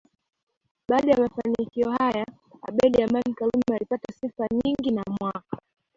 Baada ya mafanikio hayo Abeid Amani Karume alipata sifa nyingi na mwaka